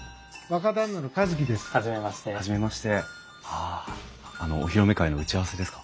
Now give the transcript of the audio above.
あのお披露目会の打ち合わせですか？